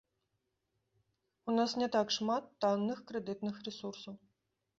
У нас не так шмат танных крэдытных рэсурсаў.